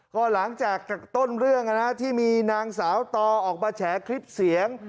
ก็หลังจากต้นเรื่องที่มีนางสาวต่อออกมาแฉคลิปเสียง